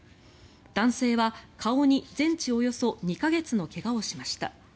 男性は顔に全治およそ２か月の怪我をしました。